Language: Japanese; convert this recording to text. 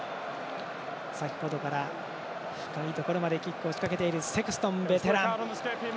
先ほどから、深いところまでキックを仕掛けているセクストン、ベテラン。